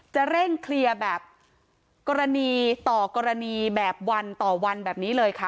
จะเร่งเคลียร์แบบกรณีต่อกรณีแบบวันต่อวันแบบนี้เลยค่ะ